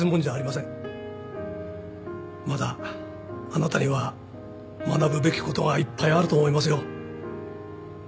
まだあなたには学ぶべきことがいっぱいあると思いますよ。